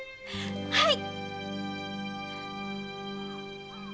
はい！